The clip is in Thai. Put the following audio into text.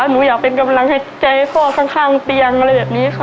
หนูอยากเป็นกำลังให้ใจพ่อข้างเตียงอะไรแบบนี้ค่ะ